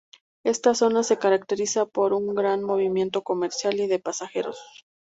Esta zona se caracteriza por un gran movimiento comercial y de pasajeros.